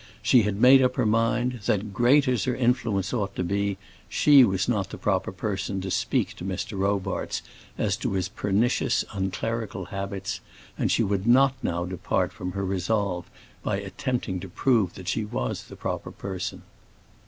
She had made up her mind that, great as her influence ought to be, she was not the proper person to speak to Mr. Robarts as to his pernicious, unclerical habits, and she would not now depart from her resolve by attempting to prove that she was the proper person.